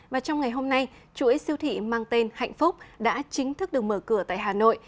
và trong ngày hôm nay chuỗi siêu thị mang tên hạnh phúc đã chính thức được mở cửa tại hà nội